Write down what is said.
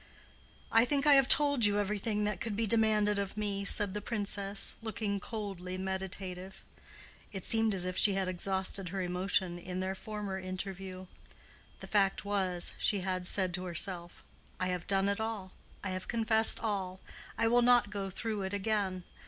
"I think I have told you everything that could be demanded of me," said the Princess, looking coldly meditative. It seemed as if she had exhausted her emotion in their former interview. The fact was, she had said to herself, "I have done it all. I have confessed all. I will not go through it again.